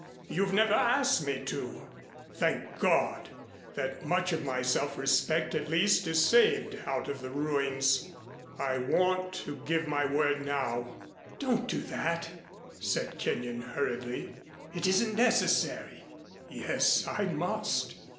You've never asked me to. Thank God, that much of my self respect at least is saved out of the ruins. I want to give my word now " "Don't do that," said Kenyon hurriedly. "It isn't necessary." "Yes, I must.